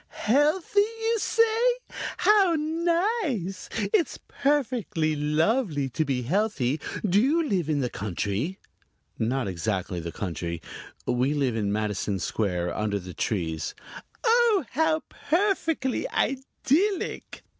"Healthy, you say? How nice. It's perfectly lovely to be healthy. Do you live in the country?" "Not exactly the country. We live in Madison Square, under the trees." "Oh, how perfectly idyllic!"